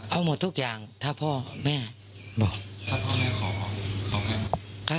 เอาหมดทุกอย่างถ้าพ่อแม่บอก